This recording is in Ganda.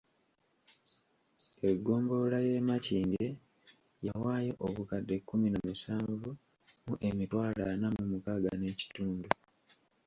Eggombolola y’e Makindye yawaayo obukadde kkumi na musanvu mu emitwalo ana mu mukaaga n'ekitundu.